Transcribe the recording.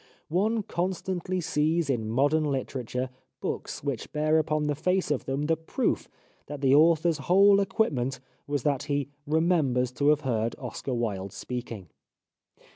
One constantly sees in modern literature books which bear upon the face of them the proof that the author's whole equipment was that he " remembers to have heard Oscar Wilde speaking."